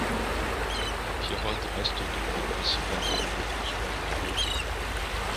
La pirogue reste donc le principal moyen de transport de la région.